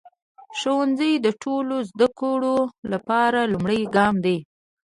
ښوونځی د ټولو زده کړو لپاره لومړی ګام دی.